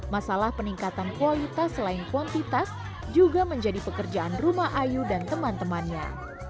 masalah peningkatan kualitas selain kuantitas juga menjadi pekerjaan rumah ayu dan teman temannya